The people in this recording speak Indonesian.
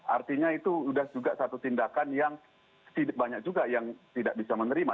artinya itu sudah juga satu tindakan yang banyak juga yang tidak bisa menerima